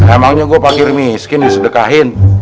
emangnya gua pak kirmiskin disedekahin